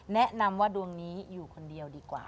แนะนำว่าดวงนี้อยู่คนเดียวดีกว่า